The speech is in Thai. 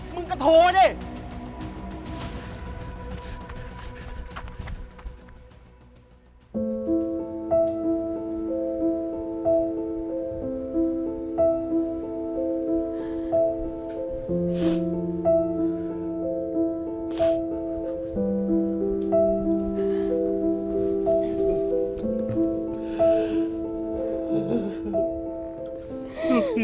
มึงกระโทกว่าดิ